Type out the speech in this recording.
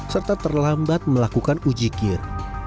serta terlambat melakukan uji kir